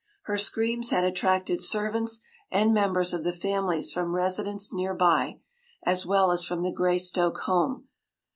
Her screams had attracted servants and members of the families from residences near by, as well as from the Greystoke home.